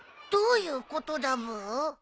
どういうことだブー？